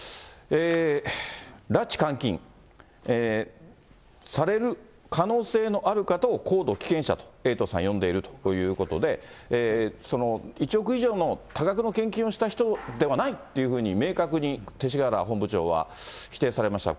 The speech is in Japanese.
拉致監禁される可能性のある方を高度危険者とエイトさん、呼んでいるということで、１億以上の多額の献金をした人ではないというふうに明確に勅使河原本部長は否定されました。